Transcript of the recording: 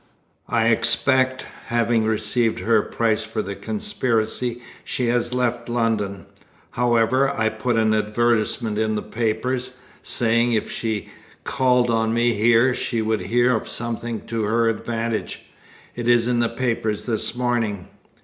I expect, having received her price for the conspiracy, she has left London. However, I put an advertisement in the papers, saying if she called on me here she would hear of something to her advantage. It is in the papers this morning."